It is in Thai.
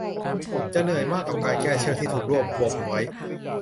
จะเหนื่อยมากกับการแก้เชือกที่ถูกรวบปมไว้